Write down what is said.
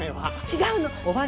違うの。